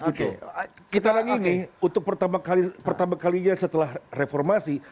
sekarang ini untuk pertama kalinya setelah reformasi